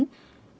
còn bộ đồ này